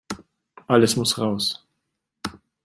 Alles muss raus.